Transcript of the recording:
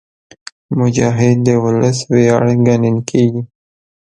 مجاهد د ولس ویاړ ګڼل کېږي.